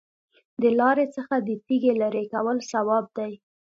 د لارې څخه د تیږې لرې کول ثواب دی.